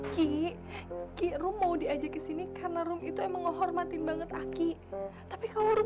ki ki rumau diajak ke sini karena rum itu emang ngohormatin banget aki tapi kalau